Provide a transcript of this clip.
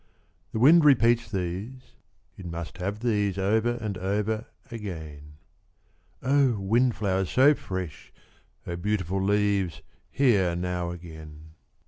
The wind repeats these, it must have these, over and over again. Oh, windflowers so fresh, Oh, beautiful leaves, here now again.